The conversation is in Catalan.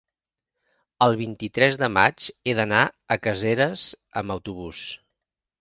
el vint-i-tres de maig he d'anar a Caseres amb autobús.